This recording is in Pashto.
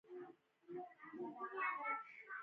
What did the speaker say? تاسو له خپلو ټولگيوالو سره په کومو کارونو کې همکاري کولای شئ؟